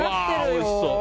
おいしそう。